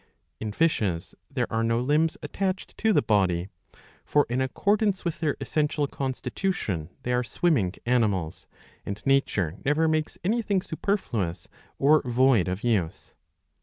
In fishes there are no limbs attached to the body. For in accordance with their essential constitution they are swimming animals ; and nature never makes anything superfluous or void of use.